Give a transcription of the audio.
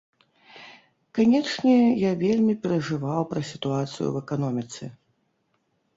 Канечне, я вельмі перажываў пра сітуацыю ў эканоміцы.